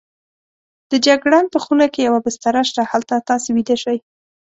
د جګړن په خونه کې یوه بستره شته، هلته تاسې ویده شئ.